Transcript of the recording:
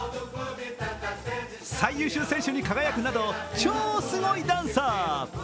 最優秀選手に輝くなど、超すごいダンサー。